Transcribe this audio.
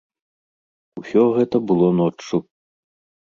Усё гэта было ноччу.